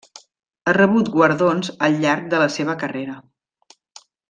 Ha rebut guardons al llarg de la seva carrera.